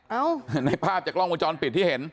เอ้าในภาพจากล้องมูลจรปิดที่เห็น